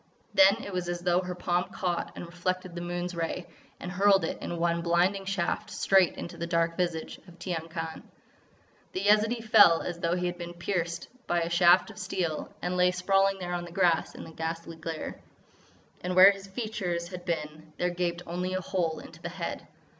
Then it was as though her palm caught and reflected the moon's ray, and hurled it in one blinding shaft straight into the dark visage of Tiyang Khan. The Yezidee fell as though he had been pierced by a shaft of steel, and lay sprawling there on the grass in the ghastly glare. And where his features had been there gaped only a hole into the head.